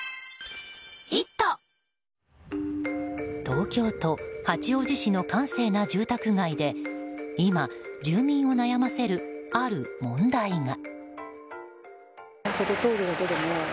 東京都八王子市の閑静な住宅街で今、住民を悩ませるある問題が。